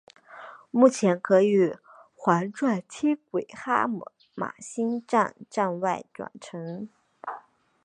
目前可与环状轻轨哈玛星站站外转乘。